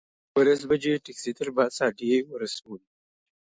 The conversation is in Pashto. دولس بجې ټکسي تر بس اډې ورسولو.